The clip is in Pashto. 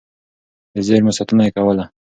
د زېرمو ساتنه يې کوله.